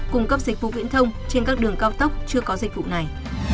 cung cấp dịch vụ viễn thông trên các đường cao tốc chưa có dịch vụ này